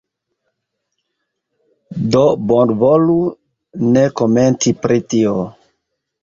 do bonvolu ne komenti pri tio.